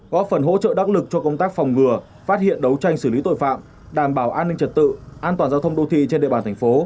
có phần hỗ trợ đắc lực cho công tác phòng ngừa phát hiện đấu tranh xử lý tội phạm đảm bảo an ninh trật tự an toàn giao thông đô thị trên địa bàn thành phố